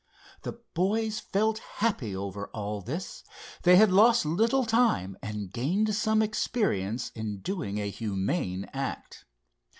The boys felt happy over all this. They had lost little time and gained some experience in doing a humane act.